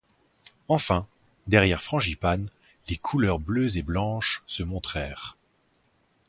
Enfin, derrière Frangipane, les couleurs bleues et blanches se montrèrent.